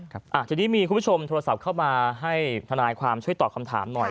ครับทีนี้มีคุณผู้ชมโทรศัพท์เข้ามาให้ทนายความช่วยตอบคำถามหน่อย